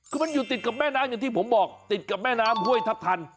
คือมันอยู่ติดกับแม่น้ำอย่างที่ผมบอกติดกับแม่น้ำห้วยทัพทัน